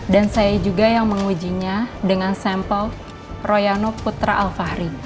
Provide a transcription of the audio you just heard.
dan saya juga yang mengujinya dengan sampel royano putra alfahri